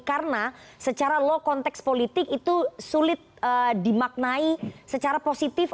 karena secara lo konteks politik itu sulit dimaknai secara positif